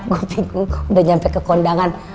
gue bingung udah nyampe ke kondangan